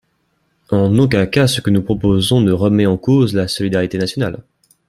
En aucun cas ce que nous proposons ne remet en cause la solidarité nationale.